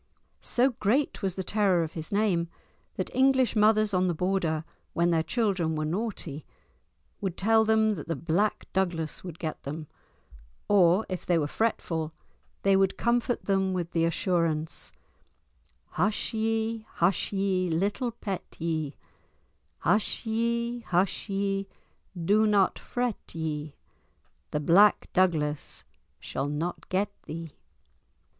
So great was the terror of his name that English mothers on the Border, when their children were naughty, would tell them that the Black Douglas would get them, or if they were fretful they would comfort them with the assurance— "Hush ye, hush ye, little pet ye, Hush ye, hush ye, do not fret ye, The Black Douglas shall not get ye."